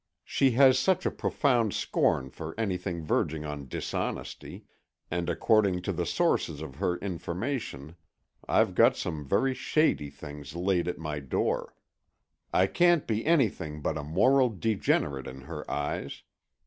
She has such a profound scorn for anything verging on dishonesty, and according to the sources of her information I've got some very shady things laid at my door. I can't be anything but a moral degenerate, in her eyes.